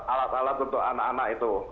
alat alat untuk anak anak itu